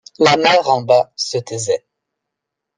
La mer en bas se taisait.